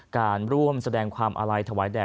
การร่วมแสดงความอาลัยถวายแด่